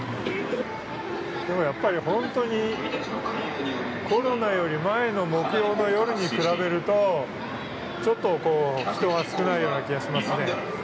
でも、やっぱり本当にコロナより前の木曜の夜に比べるとちょっと人が少ないような気がしますね。